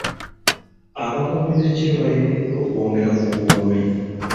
Abakuumi b'ekiro baayiiriddwa okwongera ku bukuumi.